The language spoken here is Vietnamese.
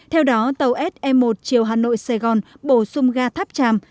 theo đó tàu se một chiều hà nội sài gòn bổ sung ga tháp tràm